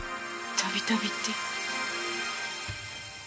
たびたびって？